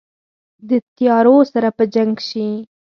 د تیارو سره په جنګ شي